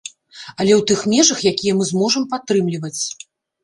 Але ў тых межах, якія мы зможам падтрымліваць.